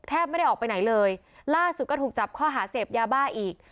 ไม่ได้ออกไปไหนเลยล่าสุดก็ถูกจับข้อหาเสพยาบ้าอีก